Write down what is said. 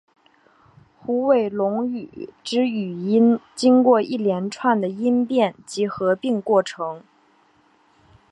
虎尾垄语之语音经过一连串的音变及合并过程。